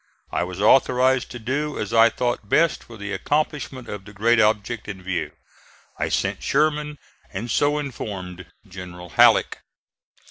I was authorized to do as I though best for the accomplishment of the great object in view. I sent Sherman and so informed General Halleck.